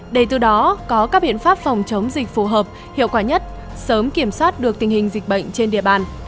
để từ đó có các biện pháp phòng chống dịch phù hợp hiệu quả nhất sớm kiểm soát được tình hình dịch bệnh trên địa bàn